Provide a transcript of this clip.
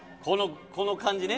この感じね。